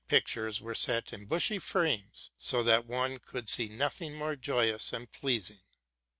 pictures were set in bushy frames, so that one could see nothing more joyous and pleasing.